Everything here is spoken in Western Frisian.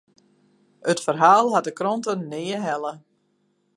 It ferhaal hat de krante nea helle.